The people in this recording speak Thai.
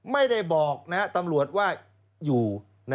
ไม่ได้บอกตำรวจว่าอยู่